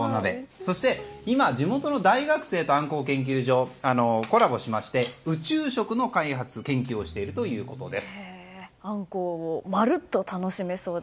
そして今、地元の大学生とあんこう研究所がコラボしまして宇宙食の開発・研究をしているということです。